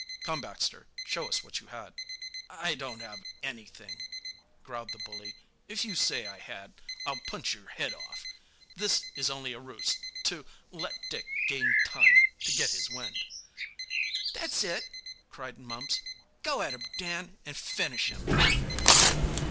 "Come, Baxter, show us what you had." "I didn't have anything," growled the bully. "If you say I had I'll punch your head off. This is only a ruse to, let Dick gain time to get his wind." "That's it!" cried Mumps. "Go at him, Dan, and finish him!"